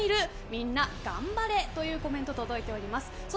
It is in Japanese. みんな頑張れというコメント、届いています。